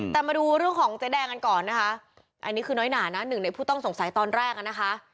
แต่มาดูเรื่องของเจ๊แดงกันก่อนนะคะอันนี้คือน้อยหนานะหนึ่งในผู้ต้องสงสัยตอนแรกอ่ะนะคะ